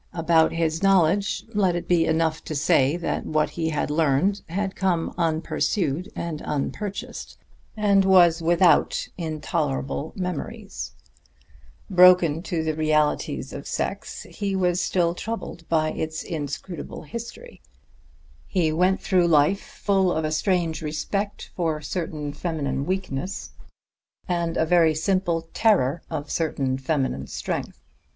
About his knowledge, let it be enough to say that what he had learned had come unpursued and unpurchased, and was without intolerable memories; broken to the realities of sex, he was still troubled by its inscrutable history; he went through life full of a strange respect for certain feminine weakness and a very simple terror of certain feminine strength.